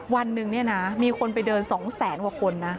วันนึงมีคนไปเดิน๒๐๐๐๐๐คนนะ